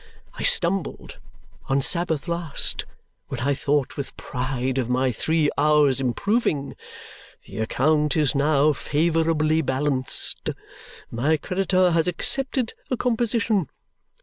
I stumbled, on Sabbath last, when I thought with pride of my three hours' improving. The account is now favourably balanced: my creditor has accepted a composition.